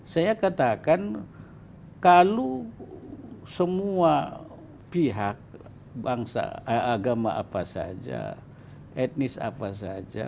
saya katakan kalau semua pihak bangsa agama apa saja etnis apa saja